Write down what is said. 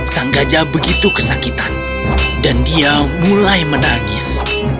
sang gajah begitu kesakitan dan dia mulai menangis